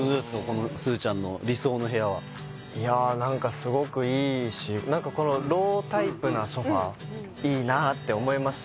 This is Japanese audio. このすずちゃんの理想の部屋はいや何かすごくいいし何かこのロータイプなソファいいなって思いました